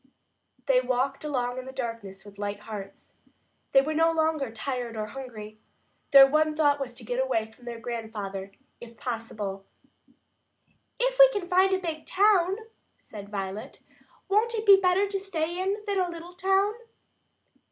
They walked along in the darkness with light hearts. They were no longer tired or hungry. Their one thought was to get away from their grandfather, if possible. "If we can find a big town," said Violet, "won't it be better to stay in than a little town?"